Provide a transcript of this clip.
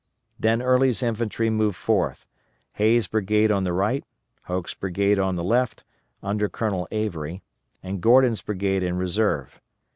Then Early's infantry moved forth, Hays' brigade on the right, Hoke's brigade on the left, under Colonel Avery, and Gordon's brigade in reserve.